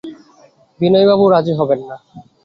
বিনয়বাবু রাজি হবেন না!